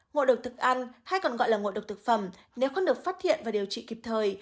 ngộ độc thực ăn hay còn gọi là ngộ độc thực phẩm nếu không được phát hiện và điều trị kịp thời